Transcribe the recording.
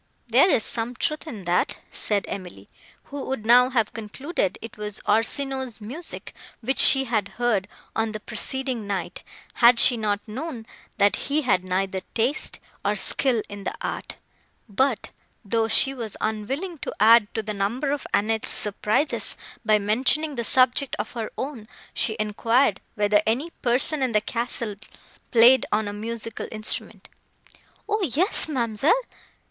"There is some truth in that," said Emily, who would now have concluded it was Orsino's music, which she had heard, on the preceding night, had she not known, that he had neither taste, nor skill in the art. But, though she was unwilling to add to the number of Annette's surprises, by mentioning the subject of her own, she enquired, whether any person in the castle played on a musical instrument? "O yes, ma'amselle!